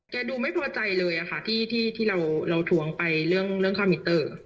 ดูไม่พอใจเลยค่ะที่เราทวงไปเรื่องคอมพิวเตอร์